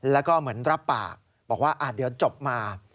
แล้วก็เหมือนรับปากบอกว่าเดี๋ยวจบมา